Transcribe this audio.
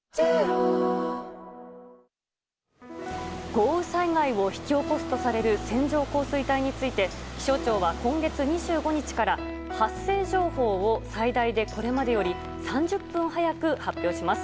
豪雨災害を引き起こすとされる線状降水帯について気象庁は今月２５日から発生情報を最大でこれまでより３０分早く発表します。